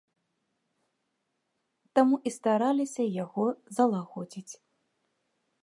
Таму і стараліся яго залагодзіць.